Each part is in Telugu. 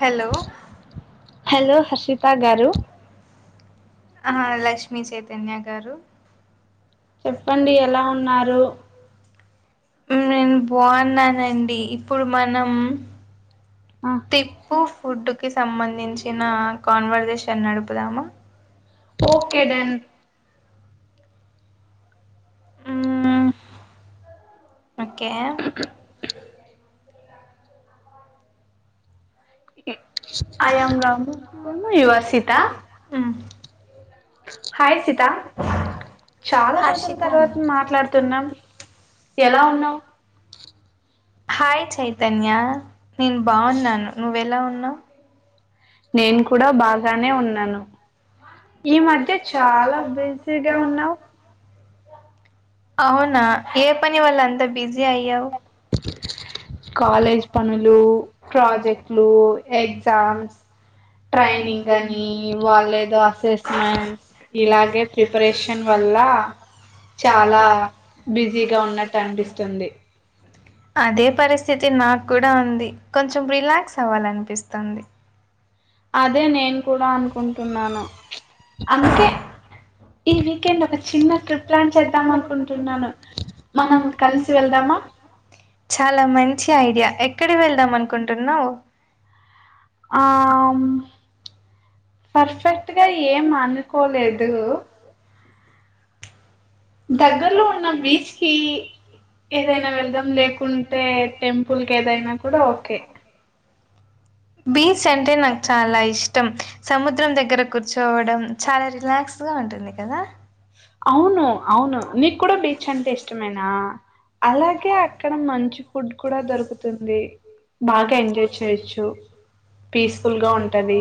హలో హలో గారు హా లక్ష్మీ చైతన్య గారు చెప్పండి ఎలా ఉన్నారు? మ్ నేను బోన్నానండి ప్పుడు మనం తిప్పు ఫుడ్ కి సంబంధించిన కాన్వర్సేషన్ నడుపుదామా? అ ఓకే ఇ ఐయాం రా [unintelligible] you are Sita hi Sita చాలా రోజుల తర్వాత మాట్లాడుతున్నాం ఎలా ఉన్నావు హాయ్ చైతన్య నేన్ బాఉన్నాను నువ్వెలా ఉన్నావు నేను కూడా బాగానే ఉన్నాను ఈ మధ్య చాలా బిజీగా ఉన్నావు కాలేజ్ పనులు ప్రాజెక్ట్లు ఎగ్జామ్స్ ట్రైనింగ్ అని వాళ్ళేదో అసెస్మెంట్ ఇలాగే ప్రిపరేషన్ వల్ల చాలా లా బిజీగా ఉన్నట్టు అనిపిస్తుంది అదే పరిస్థితి నా కూడా ఉంది కొంచెం రిలాక్స్ అవ్వాలన్పిస్తుంది అదే నేను కూడా అనుకుంటున్నాను అందుకే ఈ వీకెండ్ ఒక చిన్న ట్రిప్ ప్లాన్ చేద్దాం అనుకుంటున్నాను మనం కలిసి వెళ్దామా? ఆం పర్ఫెక్ట్ గా ఏం అనుకోలేదు దగ్గర్లో ఉన్న బీచ్ కిీ ఏదైనా వెళ్దాం లేకుంటే టెంపుల్ కి ఏదైనా కూడా ఓకే బీచ్ అంటే నాకు చాలా ఇష్టం సముద్రం దగ్గర కూర్చోవడం చాలా రిలాక్స్గా ఉంటుంది కదా అవును అవునుకు బీచ్ అ అలా అక్క మ దరుతుంది బాగా ఎ పీస్ఫుల్ గా ఉంటది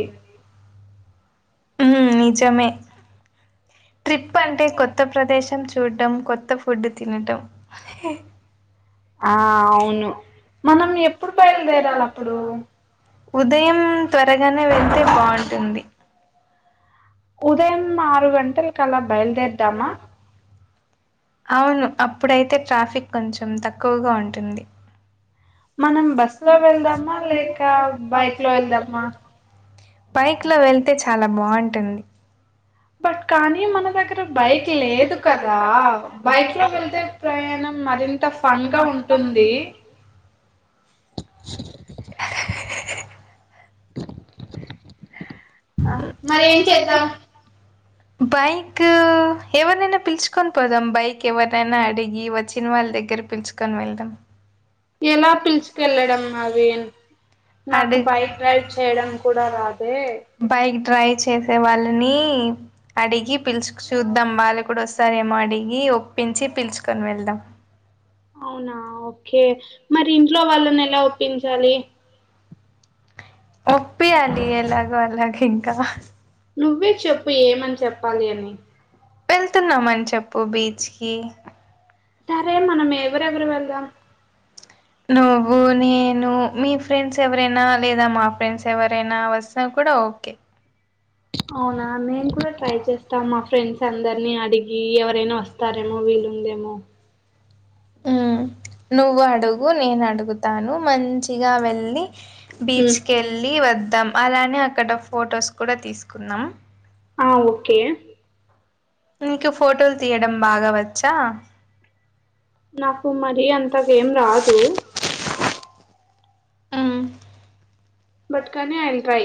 నిజమే ట్రిప్ అంటే కొత్త ప్రదేశం చూడ్డం కొత్త ఫుడ్ తినటం మనం ఎప్పుయాలప్పుడు ఉదయం త్వరగానే వెళ్తే బాగుంటుంది ఉదయం ఆరు గంటల కలా బయల్దేర్దామా అవును అప్పుడైతే ట్రాఫిక్ కొంచం తక్కువగా ఉంటుంది మ బ లో వెా లే బ లోా బైక్ లో వెళ్తే చాలా బాగుంటుంది బట్ కానీ మన దగ్గర బైక్ లేదు కదా బైక్ లో వెళ్తే ప్రయాణం మరింత ఫన్ గా ఉంటుంది మ బైక్ ఎవరినైనా పిలుచుకని పోదాం బైక్ ఎవరైనా అడిగి వచ్చిన వాళ్ళ దగ్గర పిలుచుకొని వెళ్దాం ఎలా పిలుచుకెళ్ళడమ్మావి నాకు బైక్ రైడ్ చేయడం కూడా రాదే ట్రై చేసే వాళ్ళని అడిగి పిలుచు చూద్దాం వాళ్ళ కూడా వస్తారేమో అడిగి ఒప్పించి పిలుచుకొని వెళ్దాం అవునా ఓకే మరి ఇంట్లో వాళ్ళని ఎలా ఒప్పించాలి ఒపియాని ఎలాగ అలాగ క నువే చెప్పు ఏమని చెప్పాలి అ వెళ్తున్నామని చెప్పు ఒక బీచ్కి సరే మనం ఎవరెవరు వెళ్దాం నవ్వు న నేను మీ ఫ్రెండ్స్ ఎవరైనా లేదా మా ఫ్రెండ్స్ ఎవరైనా వస్తుినా కూడా ఓకే అవునా మేము కూడా ట్రై చేస్తాం మా ఫ్రెండ్స్ అందరినీ అడిగి ఎవరైనా వస్తారేమో వీలుందేమో ఆ నువ్వు అడుగు నేను అడుగు తాను మంచిగా వెళ్ళి బీచ్కె వెళ్ళి వద్దాం అలానే అక్కడ ఫొటోస్ కూడా తీసుకున్నా ఆ ఓకే నీకు ఫోటోలు తీయడం బాగా వచ్చా నాకు మరీ అంతగాేం రాదు అ బతుకనే ఐ ట్రై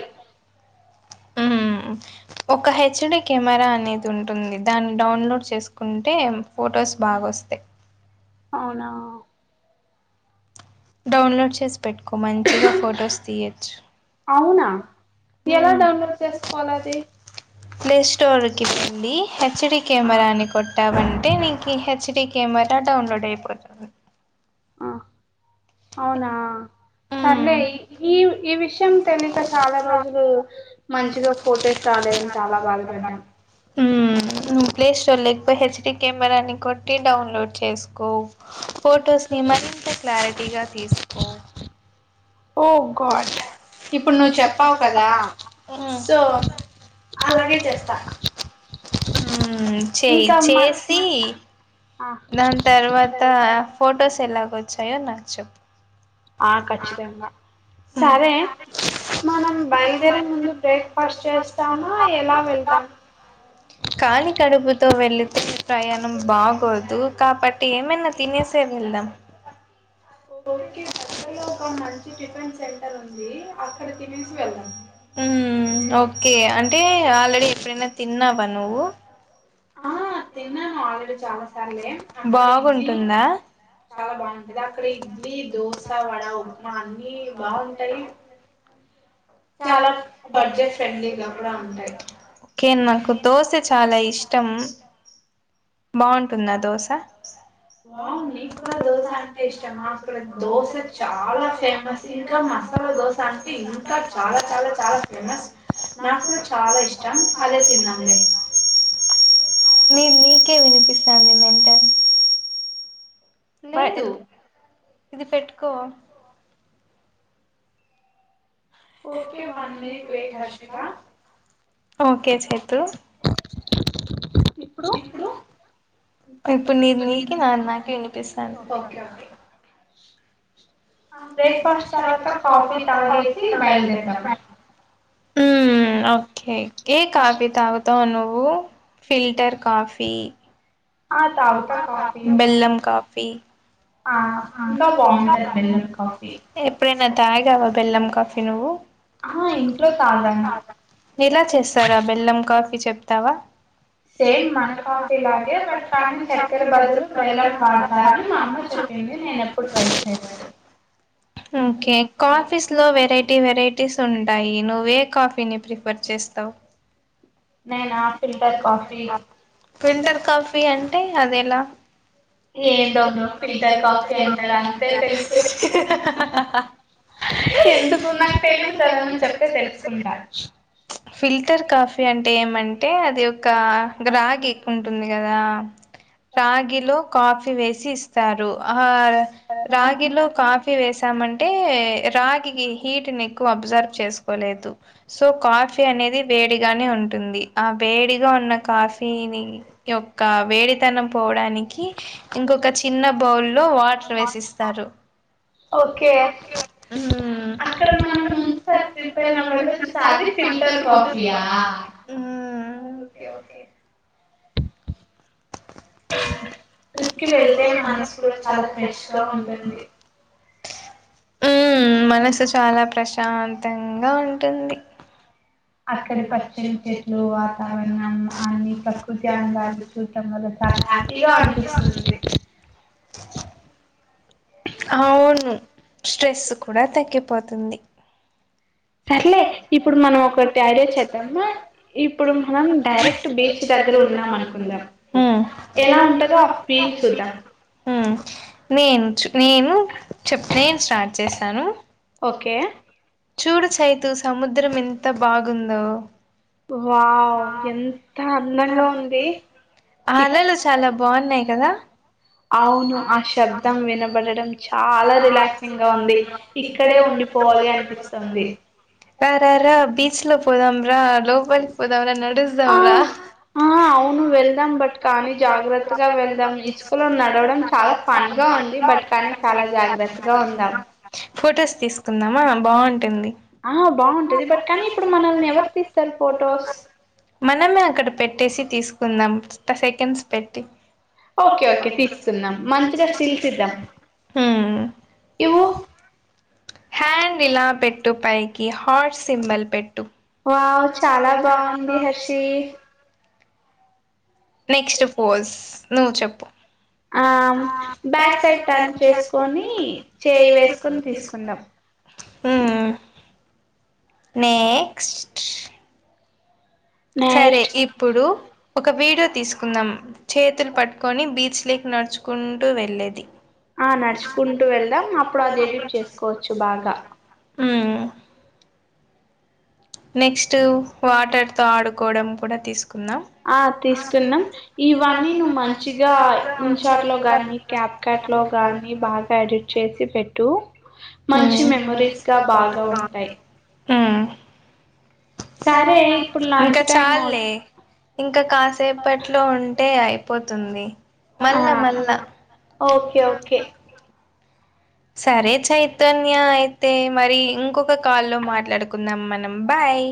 ఒక హెచ్డి కెమెరా అనేది ఉంటుంది దాన్ని డౌన్లోడ్ చేసుకుంటే ఫొటోస్ బాగా వస్తాయి అవునా డౌన్లోడ్ చేసి పెట్టుకో మంచిగా ఫొటోస్ తీయచ్చు ప్లే స్టోర్కివి హెచ్ డి కెమెరాని కొట్టావంటే నీకు హెచ్ డికే మేరా డౌన్లోడ్ అయిపోతుంది ఆ అవునా సర్లే ఈ ఈ విషయం తెలియక చాలా రోజులు మంచిగా ఫొటోస్ రాలేదని చాలా బాధపడ్డా కెమెరాని కొట్టి డౌన్లోడ్ చేసుకో ఫోటోస్ ని మరింత క్లారిటీ ఇగా ఒ ఇప్పుడు నువ్వు చెప్పావు కదా సో అలాగే చేస్తా చేయి చేసి దాన్ తర్వాత ఫోటోస్ ఎలా గోచ్చ్ చెయ నా చెప్ కాలి కడుపుతో వెళితే ప్రయాణం బాగోదు కాబట్టి ఏమైన్నా తినేసే ఎల్దాం ఒకే దగ్గర్లో ఒక మంచి చీకేన్ సెంటర్ ఉంది. అక్కడ తినేసి వెల్లండి హు ఒకే అంటే అంటే ఆల్రెడీ ఎప్పుడైనా తిన్నావా నువ్వు ఆ తిన్నాను ఆల్రెడీ చాలా సార్ లే బాగుంటుందా చాలా బాగుంటది అక్కడ దోశ వడ ఉప్మా అన్ని బాగుంటాయి చాలా బడ్జెట్ ఫ్రెండ్లీగా కూడా ఉంటాయి ఓకే నాకు దోశ చాలా ఇష్టం త్తం బాగుంటుందా దోశ బాగుంది నీ కూడ దోశ అంటే ఇష్టమా దోశ చాలా ఫేమస్ ఇంకా మసాలా దోశ అంటే ఇంకా చాలా చాలా చాలా ఫేమస్ నాకు చాలా ఇష్టం అదే తిన్నాంలే ఇ ఇది పెట్టుకో okay one minute wait Harshita ఒకే చేతూ ఇప్పుడు ఇప్పుడు నీది నీకి నాది నాకి వినిపిస్తాంది ఆ బ్రేక్ఫాస్ట్ తర్వాత కాఫీ తాగేసి బయలుదెరదాం ఓకే కే కాఫి తాగుతావ నువ్వు ఫిల్టర్ కాఫీ బెల్లం కాఫీ ఎప్పుడైనా తాగావా బె ఎల్లం కాఫీ నువ్వు ఇలా చేస్తారు అ బెల్లం కాఫీ చెప్ తవా సేమ్ మన కాఫీలాగే బట్ ఓకెకాఫీ లో వెరైటీ వెరైటీస్ ఉంటాయి నువ్వే కాఫీని ప్రిఫర్ చే పిస్తావ్ ఫీల్టర్ కాఫీ అంటే అది ఎలా ఫిల్టర్ కాఫీ అంటే ఏమంటే అది ఒక గ్రాగ్ ఎక్కుంటుంది ఆ రాగిలో కాఫీ వేసి ఇస్తారు ఆ రాగిలో కాఫీ వేసామంటే రాగికి హీట్ని ఎక్కువ అబ్జర్బ్్ చేసుకోలేదు సో కాఫీ అనేది వేడిగానే ఉంటుంది ఆ వేడిగా ఉన్న కాఫీని యొక్క వేడితను పోడానికి ఇంకొక చిన్న బౌ లో వాటర్ వేసిస్తారు ట్రిప్ కి వెళ్తే మనసు కూడా చాలా ఫ్రెష్గా ఉంటంది ఉ మనస్సు చాలా ప్రశాంత్ ధంగా ఉంటుంది అక్కడి పచ్చని చెట్లు వాతావరణం అన్ని ప్రకృతి అందాన్ని చూడటం వల్ల చాలా హ్యాపీగా అనిపిస్తుంది అవును స్ట్రెస్ కూడా తగ్గిపోతుంది నేను నేను చె నేను స్టార్ట్ చేశాను ఓకే చూడు సముద్రం ఎంత బాగుందో వావ్ ఎంత అందంగా ఉంది అవును ఆ శబ్దం వినబడడం చాలా రిలాక్సింగ్ గా ఉంది ఇక్కడే ఉండిపోవాలి అనిపిస్తుంది రా రా ర బీచ్ లో పోదాం రా అలో లొపల్ పొదామ్ రా నడ్ ఫొటోస్ తీసుకుందామా బాగుంటుంది ఆహ బాగుంటది బట్ కానీ ఇప్పుడు మనల్ని ఎవరు తీస్తారు ఫొటోస్ కుందాం సెకండ్స్ పెట్టి హ హ్యాండ్ ఇలా పెట్టు పైకి కి హాట్ సింబల్ పెట్టు నెక్స్ట్ ఫోస్ నువ్వు చెప్పు నెక్స్ట్ సరే ఇప్పుడు ఒక వీడియో తీసుకుందాం చేతులు పట్టుకొని బీచ్ లేకి నడుచుకుంటూ వెళ్ళేది ఉ నెక్స్ట్ నెక్స్ట్ వాటర్ తో ఆడుకోవడం కూడా తిస్ ఆ తీసుకుందాం ఇవన్నీ నువ్ మంచిగా ఇన్షాట్ లో గాని క్యాప్ క్యాట్ లో గాని బాగా ఎడిట్ చేసి పెట్టు మంచి మెమరీస్ గా బాగా ఉంటాయి ఇంకా చాల్లే ఇంకా కాసేపట్లో ఉంటే అయిపోతుంది మళ్ళా మళ్ళా సరే చైతన్య అయితే మరి ఇంకొక కాల్లో మాట్లాడుకుందాం మనం బాయ్